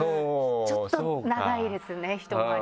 ちょっと長いですねひと回り。